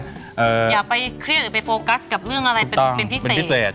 อย่าไปเครียดหรือไปโฟกัสกับเรื่องอะไรเป็นพิเศษ